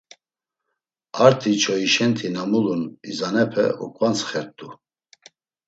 Arti çoyepeşenti na mulun izanepe oǩvantsxvert̆u.